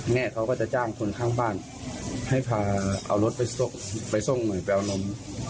แม่เขาก็จะจ้างคนข้างบ้านให้พาเอารถไปส่งหน่อยไปเอานม